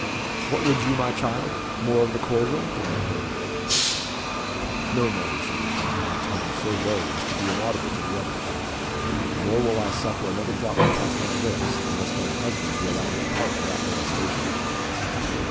"What would you, my child? more of the cordial?" demanded Lady Lake. "No, mother," she replied, in a tone so low as to be inaudible to the others. "Nor will I suffer another drop to pass my lips unless my husband be allowed to depart without molestation."